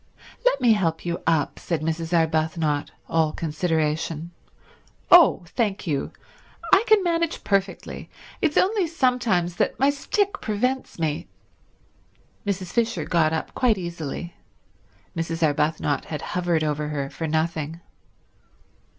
"Let me help you up," said Mrs. Arbuthnot, all consideration. "Oh, thank you—I can manage perfectly. It's only sometimes that my stick prevents me—" Mrs. Fisher got up quite easily; Mrs. Arbuthnot had hovered over her for nothing.